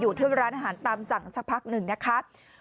ที่ร้านอาหารตามสั่งสักพักหนึ่งนะคะ